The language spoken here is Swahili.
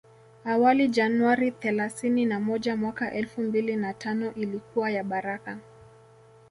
Awali Januari thelasini na moja mwaka elfu mbili na tano ilikuwa ya baraka